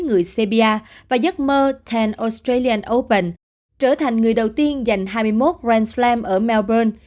người serbia và giấc mơ một mươi australian open trở thành người đầu tiên giành hai mươi một grand slam ở melbourne